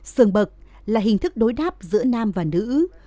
sường bậc là hình thức đối đáp giữa nam và nữ